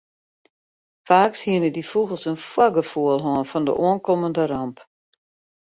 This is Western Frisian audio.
Faaks hiene dy fûgels in foargefoel hân fan de oankommende ramp.